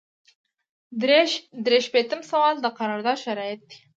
درې شپیتم سوال د قرارداد شرایط دي.